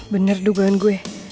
bener dugaan gue